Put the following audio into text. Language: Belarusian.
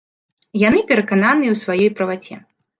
Яны перакананыя ў сваёй праваце.